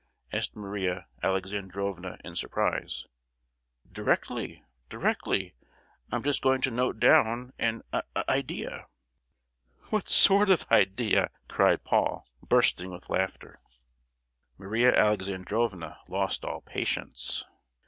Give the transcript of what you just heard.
asked Maria Alexandrovna in surprise. "Directly, directly. I'm just going to note down an i—idea!" "What sort of idea?" cried Paul, bursting with laughter. Maria Alexandrovna lost all patience.